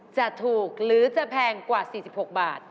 จะถูกหรือจะแพงกว่า๔๖บาท